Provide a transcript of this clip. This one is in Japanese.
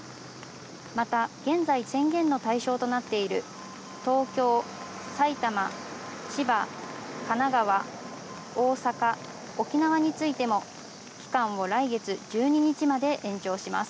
また現在宣言の対象となっている東京、埼玉、千葉、神奈川、大阪、沖縄についても期間を来月１２日まで延長します。